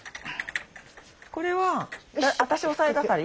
これは私押さえ係？